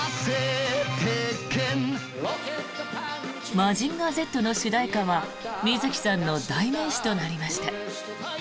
「マジンガーＺ」の主題歌は水木さんの代名詞となりました。